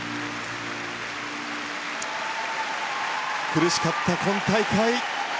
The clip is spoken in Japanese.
苦しかった今大会。